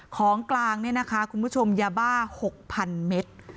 ของกลางเนี่ยนะคะคุณผู้ชมยาบ้า๖๐๐๐เมตร